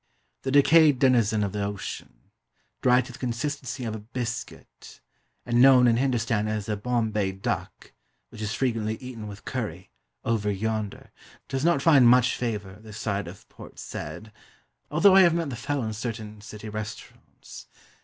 The decayed denizen of the ocean, dried to the consistency of biscuit, and known in Hindustan as a BOMBAY DUCK, which is frequently eaten with curry, "over yonder," does not find much favour, this side of Port Said, although I have met the fowl in certain city restaurants.